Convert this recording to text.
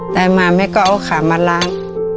ตายมาแม่ก็เอาขามาล้าง